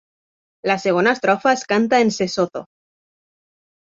La segona estrofa es canta en sesotho.